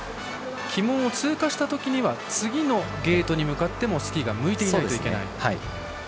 旗門を通過したときには次のゲートに向かって、もうスキーが向いていないといけない。